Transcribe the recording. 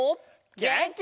げんき！